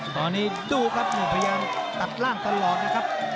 ตอนนี้ดูครับนี่พยายามตัดล่างตลอดนะครับ